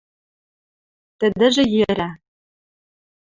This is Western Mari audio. Тӹдӹжӹ йӹрӓ: